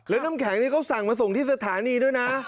แล้วน้ำแข็งนี่เขาสั่งมาส่งที่สถานีด้วยนะ